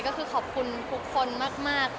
ก็คือขอบคุณทุกคนมาก